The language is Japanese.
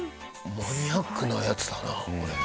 マニアックなやつだなこれ。